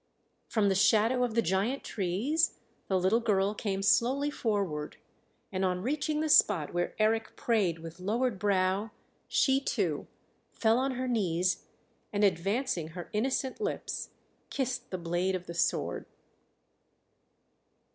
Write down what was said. From the shadow of the giant trees the little girl came slowly forward, and on reaching the spot where Eric prayed with lowered brow, she, too, fell on her knees and advancing her innocent lips kissed the blade of the sword.